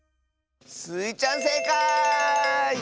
スイちゃんせいかい！